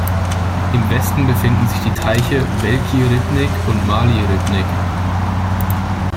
Im Westen befinden sich die Teiche Velký rybník und Malý rybník.